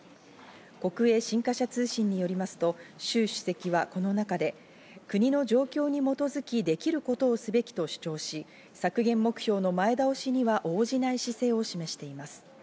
国営新華社通信によりますと、シュウ主席はこの中で、国の状況に基づきできることをすべきと主張し、削減目標の前倒しには応じない姿勢を示しています。